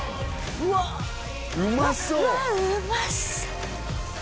うわうまそううわ